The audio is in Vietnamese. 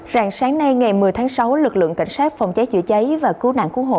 rạng sáng nay ngày một mươi tháng sáu lực lượng cảnh sát phòng cháy chữa cháy và cứu nạn cứu hộ